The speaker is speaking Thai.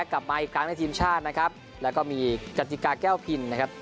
กลับมาอีกครั้งในทีมชาตินะครับแล้วก็มีกติกาแก้วพินนะครับ